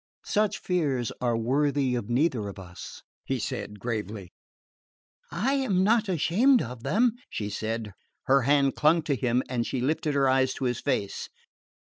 "Such fears are worthy neither of us," he said gravely. "I am not ashamed of them," she said. Her hand clung to him and she lifted her eyes to his face.